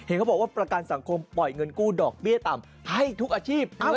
เขาบอกว่าประกันสังคมปล่อยเงินกู้ดอกเบี้ยต่ำให้ทุกอาชีพ